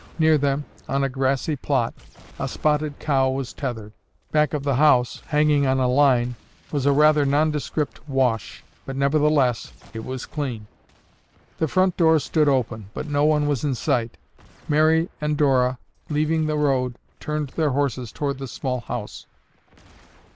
Near them, on a grassy plot, a spotted cow was tethered. Back of the house, hanging on a line, was a rather nondescript wash, but, nevertheless, it was clean. The front door stood open but no one was in sight. Mary and Dora, leaving the road, turned their horses toward the small house.